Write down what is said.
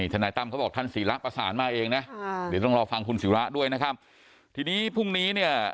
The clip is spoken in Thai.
เองนะหรือต้องรอฟังคุณศิราด้วยนะครับทีนี้พรุ่งนี้เนี่ย